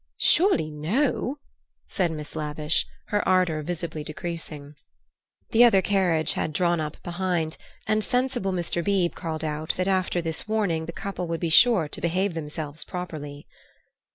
"Surely no!" said Miss Lavish, her ardour visibly decreasing. The other carriage had drawn up behind, and sensible Mr. Beebe called out that after this warning the couple would be sure to behave themselves properly.